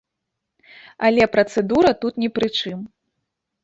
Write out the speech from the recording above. Але працэдура тут ні пры чым.